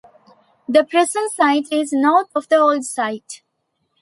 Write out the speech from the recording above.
The present site is north of the old site.